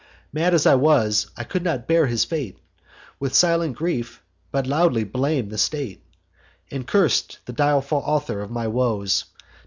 Mad as I was, I could not bear his fate With silent grief, but loudly blam'd the state, And curs'd the direful author of my woes.